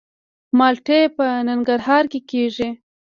مالټې په ننګرهار کې کیږي